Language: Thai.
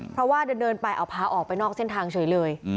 เพราะว่าเดินไปเอาพาออกไปนอกเส้นทางเฉยเลย